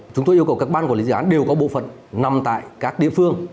chúng tôi yêu cầu các ban quản lý dự án đều có bộ phận nằm tại các địa phương